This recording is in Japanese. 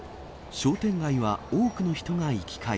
商店街は多くの人が行き交い。